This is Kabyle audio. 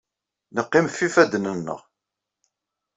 Neqqim ɣef yifadden-nneɣ.